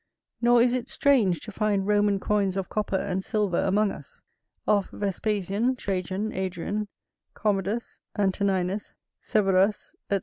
Nor is it strange to find Roman coins of copper and silver among us; of Vespasian, Trajan, Adrian, Commodus, Antoninus, Severus, &c.